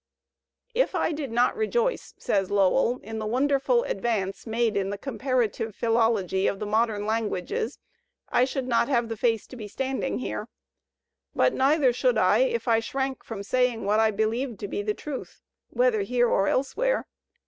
"H I did not rejoice," says Lowell, "in the wonderful advance made in the comparative philology of the modern languages, I should not have the face to be standing here. But neither should I, if I shrank from saying what I believed to be the truth, whether here or elsewhere.